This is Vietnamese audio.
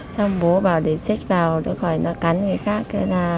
xong bố bảo để xích vào đưa khỏi nó cắn người khác